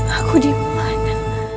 aku di mana